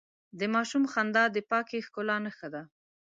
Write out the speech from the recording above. د ماشوم خندا د پاکې ښکلا نښه ده.